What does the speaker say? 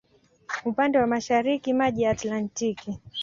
Upande wa mashariki maji ya Atlantiki.